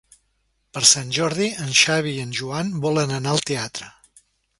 Per Sant Jordi en Xavi i en Joan volen anar al teatre.